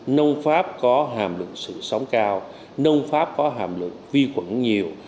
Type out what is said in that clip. nông pháp có hàm lượng sự sống cao nông pháp có hàm lượng vi quẩn nhiều